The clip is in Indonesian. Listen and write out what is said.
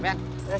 udah gue ngajak